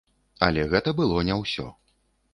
Але гэта было не ўсё.